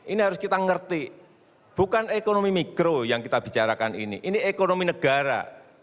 ini harus kita ngerti bukan ekonomi mikro yang kita bicarakan ini ini ekonomi negara